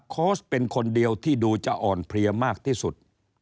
โค้ชเป็นคนเดียวที่ดูจะอ่อนเพลียมากที่สุด